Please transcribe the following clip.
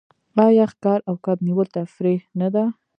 آیا ښکار او کب نیول تفریح نه ده؟